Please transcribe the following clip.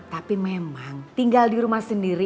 tapi memang tinggal di rumah sendiri